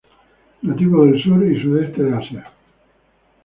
Nativo del sur y sudeste de Asia.